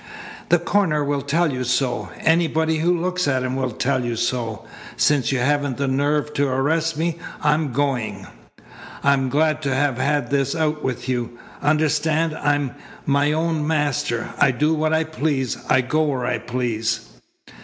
The coroner will tell you so. Anybody who looks at him will tell you so. Since you haven't the nerve to arrest me. I'm going. I'm glad to have had this out with you. Understand. I'm my own master. I do what I please. I go where I please."